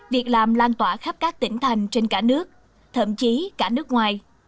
việc làm lan tỏa khắp các tỉnh thành trên cả nước thậm chí cả nước ngoài